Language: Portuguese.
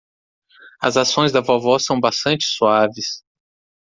As ações da vovó são bastante suaves